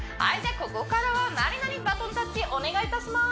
ここからはまりなにバトンタッチお願いいたします